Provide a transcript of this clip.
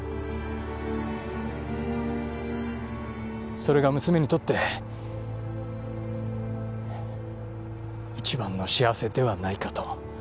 それが娘にとって一番の幸せではないかと。